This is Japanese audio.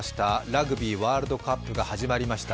ラグビーワールドカップが始まりました。